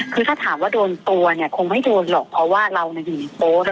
คือถ้าถามว่าโดนตัวเนี่ยคงไม่โดนหรอกเพราะว่าเราอยู่ในโป๊ะ